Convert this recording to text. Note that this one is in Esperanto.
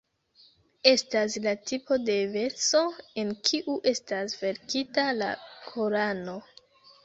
Estas la tipo de verso en kiu estas verkita la Korano.